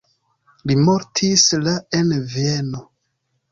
Li mortis la en Vieno.